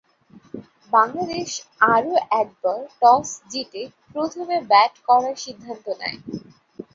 বাংলাদেশ আরও একবার টস জিতে প্রথমে ব্যাট করার সিদ্ধান্ত নেয়।